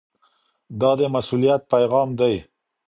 دا د مسؤلیت پیغام دی.